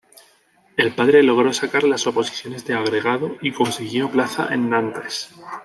El padre logró sacar las oposiciones de agregado y consiguió plaza en Nantes.